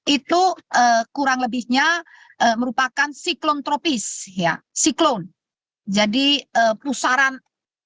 itu kurang lebihnya merupakan siklon tropis ya siklon jadi pusaran pusaran angin ya yang kencang